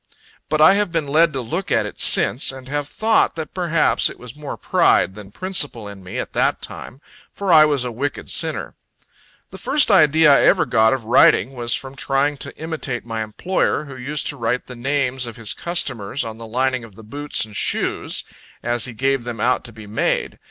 But I have been led to look at it since, and have thought that perhaps it was more pride than principle in me, at that time, for I was a wicked sinner. The first idea I ever got of writing, was from trying to imitate my employer, who used to write the names of his customers on the lining of the boots and shoes, as he gave them out to be made.